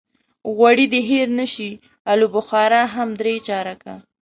غوړي دې هېر نه شي او الوبخارا هم درې چارکه.